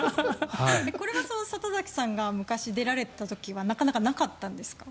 これは里崎さんが昔、出られていた時はなかなかなかったんですか？